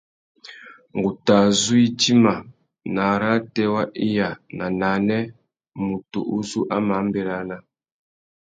Ngu tà zú idjima; nà arrātê wa iya na nānê, mutu uzu a má nʼbérana.